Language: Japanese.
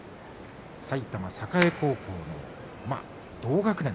埼玉栄高校の同学年。